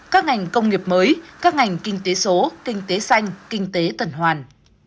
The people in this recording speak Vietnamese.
các ngành công nghiệp mới các ngành kinh tế số kinh tế xanh kinh tế tần hoàn